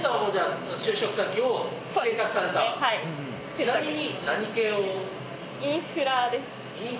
ちなみに。